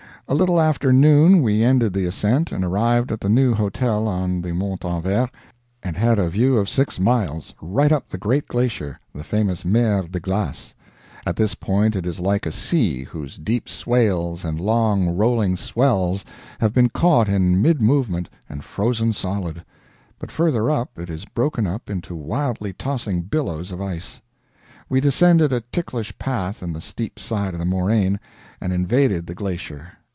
A little after noon we ended the ascent and arrived at the new hotel on the Montanvert, and had a view of six miles, right up the great glacier, the famous Mer de Glace. At this point it is like a sea whose deep swales and long, rolling swells have been caught in mid movement and frozen solid; but further up it is broken up into wildly tossing billows of ice. We descended a ticklish path in the steep side of the moraine, and invaded the glacier.